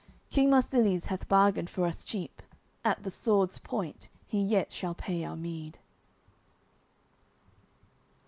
King Marsilies hath bargained for us cheap; At the sword's point he yet shall pay our meed."